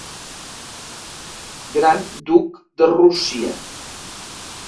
Gran duc de Rússia.